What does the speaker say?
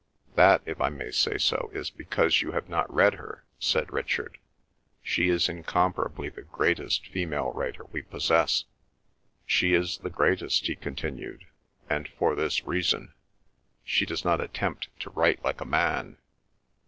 "That—if I may say so—is because you have not read her," said Richard. "She is incomparably the greatest female writer we possess." "She is the greatest," he continued, "and for this reason: she does not attempt to write like a man.